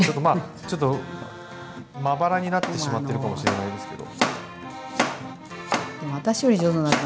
ちょっとまばらになってしまってるかもしれないですけど。